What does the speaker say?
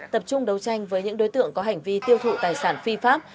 tập trung đấu tranh với những đối tượng có hành vi tiêu thụ tài sản phi pháp